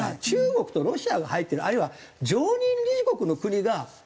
中国とロシアが入ってるあるいは常任理事国の国が。